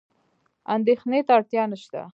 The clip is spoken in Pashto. اندېښنې ته اړتیا نشته.